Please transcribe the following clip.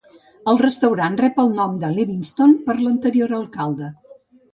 El restaurant rep el nom de Livingston per l'anterior alcalde.